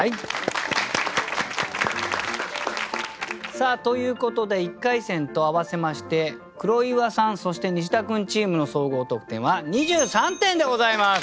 さあということで１回戦と合わせまして黒岩さんそしてニシダ君チームの総合得点は２３点でございます！